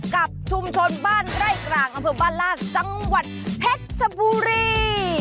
กับชุมชนบ้านไร่กลางอำเภอบ้านลาดจังหวัดเพชรชบุรี